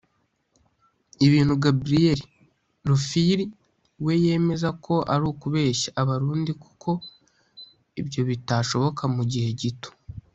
ibintu Gabriel Rufyiri we yemeza ko ari ukubeshya Abarundi kuko ibyo bitashoboka mu gihe gito